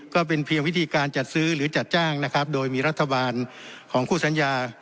ก็เป็นเพียงวิธีการจัดซื้อหรือจัดจ้างนะครับโดยมีรัฐบาลของคู่สัญญา